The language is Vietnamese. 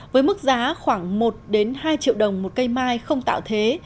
với mức giá khoảng một hai triệu đồng một cây mai không tạo thế